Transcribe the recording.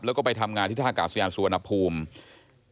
แล้วก็ไปทำงานที่ท่ากาศยานสุวรรณภูมิ